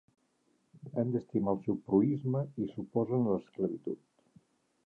Han d'estimar el seu proïsme, i s'oposen a l'esclavitud.